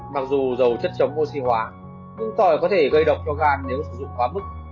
mặc dù dầu chất chống oxy hóa những tỏi có thể gây độc cho gan nếu sử dụng quá mức